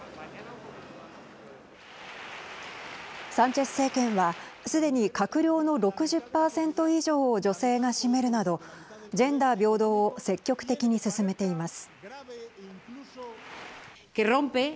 サンチェス政権はすでに閣僚の６０％以上を女性が占めるなどジェンダー平等を積極的に進めています。